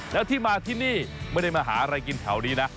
แล้วที่มาที่นี่ไม่ได้มาหาอะไรกินแถวนี้นะ